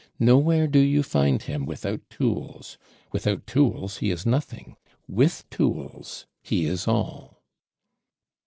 Nowhere do you find him without Tools; without Tools he is nothing, with Tools he is all."